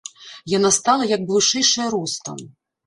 Яна стала як бы вышэйшая ростам.